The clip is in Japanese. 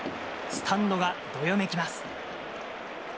スタンドがどよめきます。